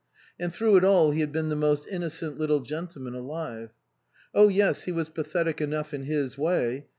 And through it all he had been the most innocent little gentleman alive. Oh yes, he was pathetic enough in his way.